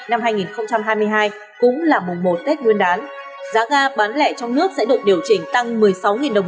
năm hai nghìn hai mươi hai cũng là mùa một tết nguyên đán giá ga bán lẻ trong nước sẽ được điều chỉnh tăng một mươi sáu đồng